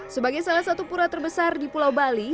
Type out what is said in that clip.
sebagai salah satu pura terbesar di pulau bali